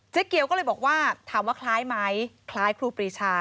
เกียวก็เลยบอกว่าถามว่าคล้ายไหมคล้ายครูปรีชา